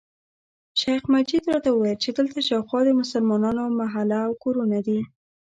شیخ مجید راته وویل چې دلته شاوخوا د مسلمانانو محله او کورونه دي.